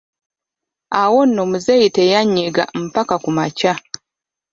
Awo nno muzeeyi teyanyega mpaka ku kumakya.